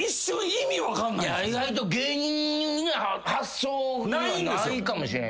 意外と芸人発想にはないかも。